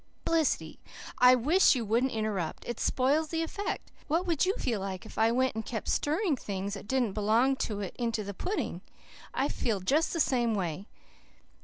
"Felicity, I WISH you wouldn't interrupt. It spoils the effect. What would you feel like if I went and kept stirring things that didn't belong to it into that pudding? I feel just the same way.